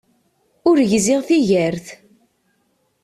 Ur gziɣ tigert.